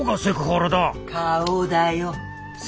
顔だよ。